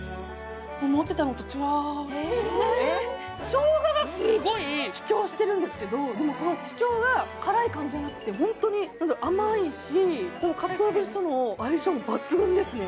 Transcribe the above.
しょうががすごい主張してるんですけど、でもその主張が辛い感じじゃなくて甘いし、かつお節との相性抜群ですね。